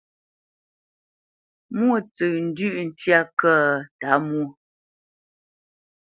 Mwôntsəndʉ̂ʼ ntyá kə̂ ə́ Tǎmwō?